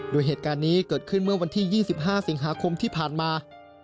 โดยเหตุการณ์นี้เกิดขึ้นเมื่อวันที่๒๕สิงหาคมที่ผ่านมา